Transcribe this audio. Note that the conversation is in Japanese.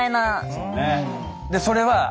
そうね。